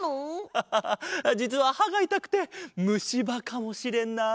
アハハじつははがいたくてむしばかもしれない。